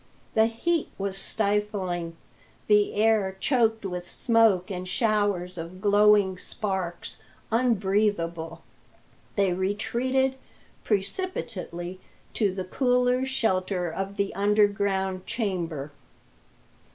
The heat was stifling; the air, choked with smoke and showers of glowing sparks, unbreathable. They retreated precipitately to the cooler shelter of the underground chamber.